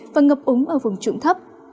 và ngập úng ở vùng trụng thấp